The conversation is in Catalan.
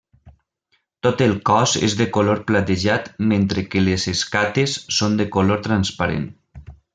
Tot el cos és de color platejat mentre que les escates són de color transparent.